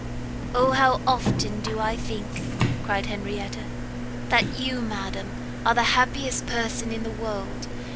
"O how often do I think," cried Henrietta, "that you, madam, are the happiest person in the world!